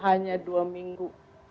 hanya dua minggu